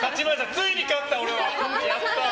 ついに勝った、俺は。